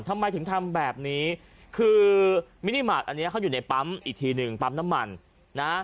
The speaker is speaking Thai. ทำไมถึงทำแบบนี้คือมินิมาร์ทอันนี้เขาอยู่ในปั๊มอีกทีหนึ่งปั๊มน้ำมันนะฮะ